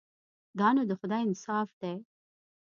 دا نو د خدای انصاف دی.